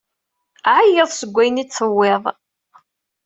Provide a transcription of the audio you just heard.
Ɛeyyeḍ seg ayen i d-tewwiḍ.